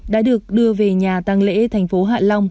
đã được đưa về nhà tăng lễ thành phố hạ long